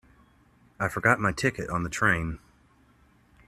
I forgot my ticket on the train.